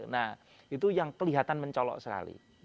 nah itu yang kelihatan mencolok sekali